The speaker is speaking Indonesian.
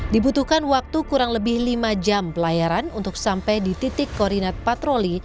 dibutuhkan waktu kurang lebih lima jam pelayaran untuk sampai di titik koordinat patroli